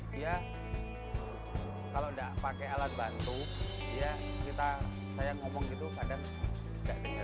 dia kalau tidak pakai alat bantu saya ngomong gitu kadang tidak dengar